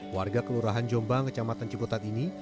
warga kelurahan jombang kecamatan ciputat ini